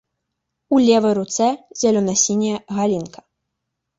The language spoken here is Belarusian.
У левай руцэ зялёна-сіняя галінка.